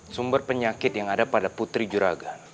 sumber penyakit yang ada pada putri juragan